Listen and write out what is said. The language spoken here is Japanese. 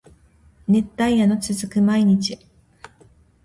熱帯夜の続く毎日